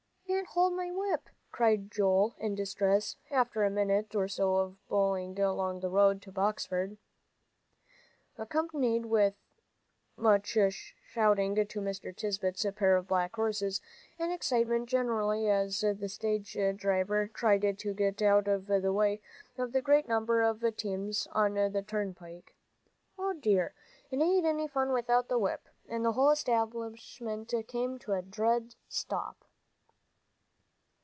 "I can't hold my whip," cried Joel in distress, after a minute or so of bowling along on the road to Boxford, accompanied with much shouting to Mr. Tisbett's pair of black horses, and excitement generally as the stage driver tried to get out of the way of the great number of teams on the turnpike. "O dear, it ain't any fun without the whip!" and the whole establishment came to a dead stop.